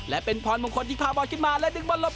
และเป็นพรมงคลที่พาบอลขึ้นมาและดึงบอลหลบ